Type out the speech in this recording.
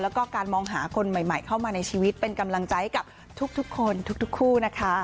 แล้วก็การมองหาคนใหม่เข้ามาในชีวิตเป็นกำลังใจให้กับทุกคนทุกคู่นะคะ